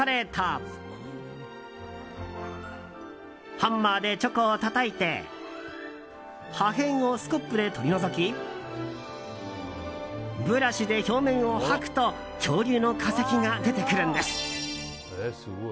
ハンマーでチョコをたたいて破片をスコップで取り除きブラシで表面を掃くと恐竜の化石が出てくるんです！